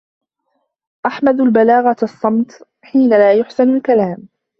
أحمد البلاغة الصمت حين لا يَحْسُنُ الكلام